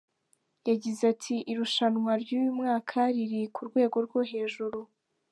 Yagize ati “Irushanwa ry’uyu mwaka riri ku rwego rwo hejuru.